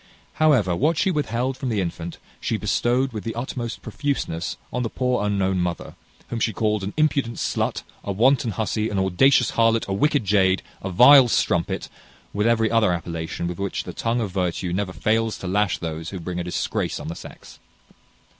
However, what she withheld from the infant, she bestowed with the utmost profuseness on the poor unknown mother, whom she called an impudent slut, a wanton hussy, an audacious harlot, a wicked jade, a vile strumpet, with every other appellation with which the tongue of virtue never fails to lash those who bring a disgrace on the sex.